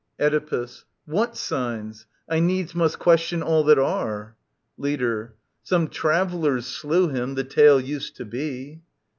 Oedipus. What signs ? I needs must question all that arc. Leader. Some travellers slew him, the tale used to be.